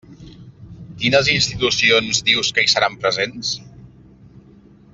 Quines institucions dius que hi seran presents?